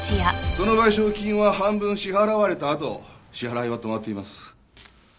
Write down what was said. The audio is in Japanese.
その賠償金は半分支払われたあと支払いは止まっています。